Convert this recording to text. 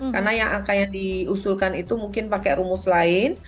karena yang angka yang diusulkan itu mungkin pakai rumus lain